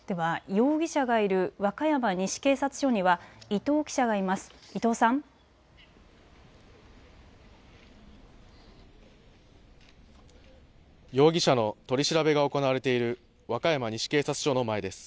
容疑者の取り調べが行われている和歌山西警察署の前です。